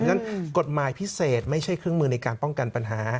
ฉะนั้นกฎหมายพิเศษไม่ใช่เครื่องมือในการป้องกันปัญหา